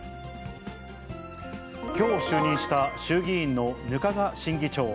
きょう就任した衆議院の額賀新議長。